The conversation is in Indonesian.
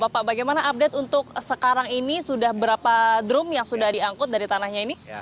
bapak bagaimana update untuk sekarang ini sudah berapa drum yang sudah diangkut dari tanahnya ini